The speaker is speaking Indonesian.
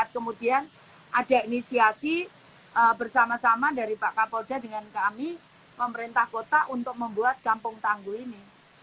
kemudian ada inisiasi bersama sama dari pak kapolda dengan kami pemerintah kota untuk membuat kampung tangguh ini